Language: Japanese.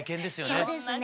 そうですね。